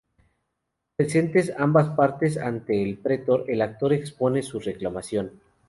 Presentes ambas partes ante el pretor, el actor expone su reclamación.